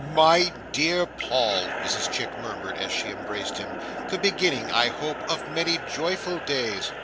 "My dear Paul," Mrs Chick murmured, as she embraced him, "the beginning, I hope, of many joyful days!"